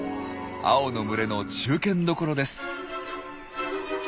青の群れの中堅どころです。